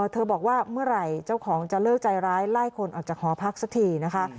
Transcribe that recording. บอกว่าเมื่อไหร่เจ้าของจะเลิกใจร้ายไล่คนออกจากหอพักสักทีนะคะ